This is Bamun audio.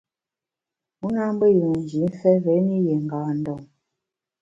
U nâ mbe yùen jimfe réni yié ngâ ndon.